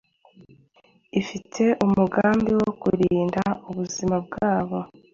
ifite umugambi wo kurinda ubuzima bwabo.